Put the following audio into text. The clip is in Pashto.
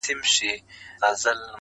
• دادی ټکنده غرمه ورباندي راغله.